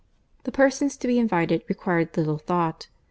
The persons to be invited, required little thought.